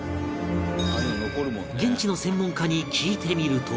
現地の専門家に聞いてみると